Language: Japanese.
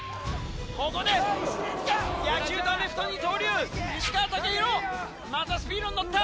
ここで野球とアメフトの二刀流石川雄洋またスピードに乗った。